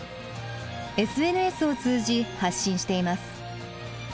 ＳＮＳを通じ発信しています。